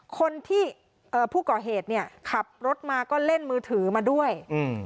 คนที่เอ่อผู้ก่อเหตุเนี่ยขับรถมาก็เล่นมือถือมาด้วยอืม